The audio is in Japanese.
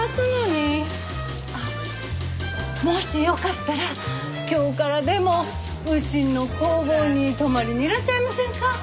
あっもしよかったら今日からでもうちの工房に泊まりにいらっしゃいませんか？